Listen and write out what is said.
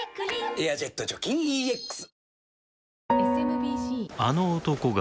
「エアジェット除菌ＥＸ」